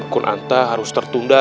kunanta harus tertunda